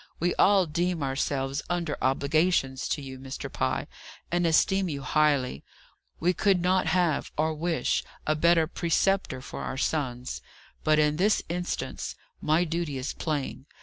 We all deem ourselves under obligations to you, Mr. Pye, and esteem you highly; we could not have, or wish, a better preceptor for our sons. But in this instance, my duty is plain.